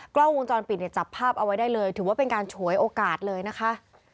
กล้องวงจรปิดเนี่ยจับภาพเอาไว้ได้เลยถือว่าเป็นการฉวยโอกาสเลยนะคะ